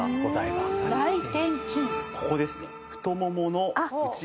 ここですね。